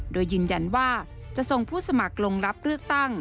โดยยืนยันว่าจะส่งผู้สมัครลงรับเลือกตั้ง